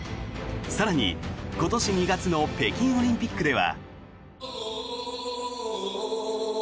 更に、今年２月の北京オリンピックでは。